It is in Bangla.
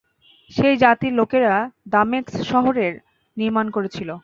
সেই জাতির লোকেরা দামেশক শহর নির্মাণ করেছিল।